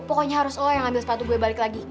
pokoknya harus oh yang ambil sepatu gue balik lagi